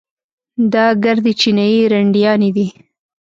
دا ګردې چينايي رنډيانې دي.